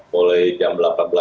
mulai jam delapan belas